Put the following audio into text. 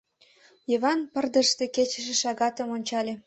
Йыван пырдыжыште кечыше шагатым ончале.